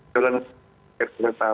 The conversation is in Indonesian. kemudian masuk ke lantau